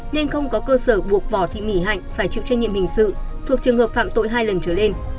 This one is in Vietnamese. nên không có cơ sở buộc võ thị mỹ hạnh phải chịu trách nhiệm hình sự thuộc trường hợp phạm tội hai lần trở lên